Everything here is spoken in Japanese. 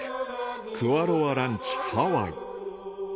クアロア・ランチ・ハワイ。